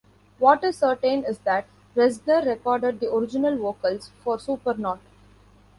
What is certain is that Reznor recorded the original vocals for Supernaut.